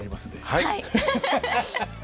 はい。